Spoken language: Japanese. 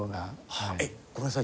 ごめんなさい。